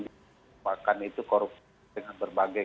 dipakan itu korupsi dengan berbagai